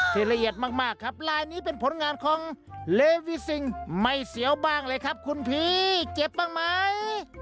ละเอียดมากครับลายนี้เป็นผลงานของเลวิซิงไม่เสียวบ้างเลยครับคุณพี่เจ็บบ้างไหม